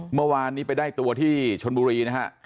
เมื่อวานนี้ไปได้ตัวที่ชนบุรีนะฮะ